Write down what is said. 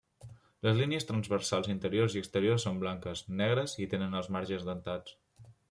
Les línies transversals interiors i exteriors són blanques, negres i tenen els marges dentats.